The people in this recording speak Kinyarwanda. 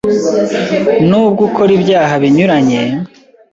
ni bwo ukora ibyaha binyuranye,